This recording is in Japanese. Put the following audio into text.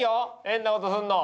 変なことすんの！